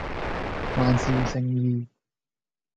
萬事勝意